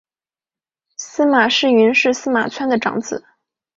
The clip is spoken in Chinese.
司马世云是司马纂的长子。